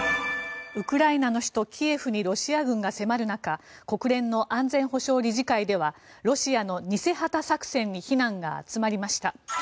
ウクライナの首都キエフにロシア軍が迫る中国連の安全保障理事会ではロシアの偽旗作戦に非難が集まりました。